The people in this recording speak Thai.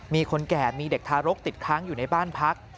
มีคนแก่มีเด็กทารกติดค้างอยู่ในบ้านพัก